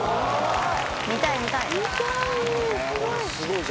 見たい見たい！